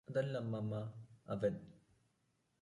അതല്ലമമ്മ അവന്